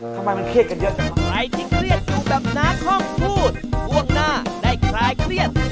ทำไมมันเครียดกันเยอะจังมาก